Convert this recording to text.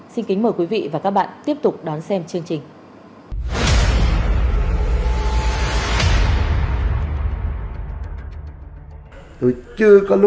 xin kính mời quý vị và các bạn tiếp tục đón xem chương trình